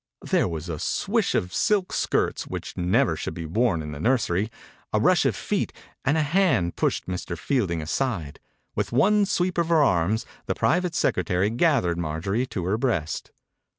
There was a swish of silk skirts — which never should be worn in the nursery — a rush of feet, and a hand pushed Mr. Fielding aside. With one sweep of her arms the private secretary gathered Marjorie to her breast.